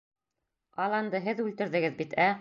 Аланды һеҙ үлтерҙегеҙ бит, ә?